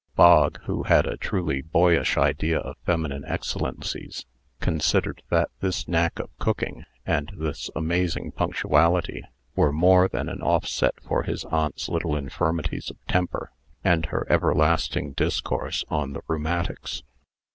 Bog, who had a truly boyish idea of feminine excellencies, considered that this knack of cooking, and this amazing punctuality, were more than an offset for his aunt's little infirmities of temper, and her everlasting discourse on the rheumatics.